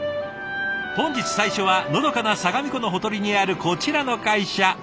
本日最初はのどかな相模湖のほとりにあるこちらの会社。